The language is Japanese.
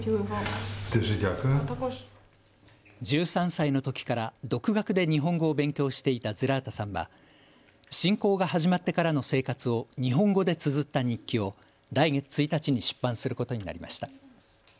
１３歳のときから独学で日本語を勉強していたズラータさんは侵攻が始まってからの生活を日本語でつづった日記を来月１日に出版することになりました。